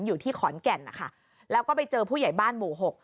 อยู่ที่ขอนแก่นนะคะแล้วก็ไปเจอผู้ใหญ่บ้านหมู่หก